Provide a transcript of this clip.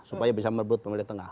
supaya bisa merebut pemilih tengah